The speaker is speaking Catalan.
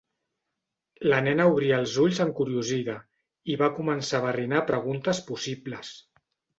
La nena obria els ulls encuriosida, i va començar a barrinar preguntes possibles.